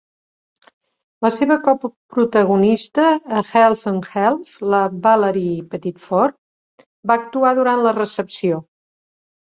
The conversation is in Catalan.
La seva coprotagonista a "Half and Half", la Valarie Pettiford, va actuar durant la recepció.